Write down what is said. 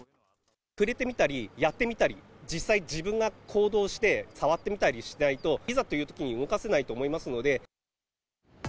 触れてみたり、やってみたり、実際自分が行動して、触ってみたりしないと、いざというときに動かせないと思いますので。